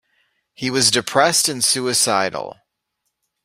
He was depressed and suicidal.